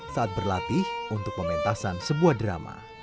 saat berlatih untuk pementasan sebuah drama